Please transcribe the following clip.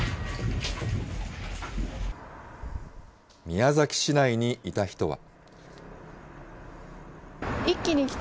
宮崎市内にいた人は。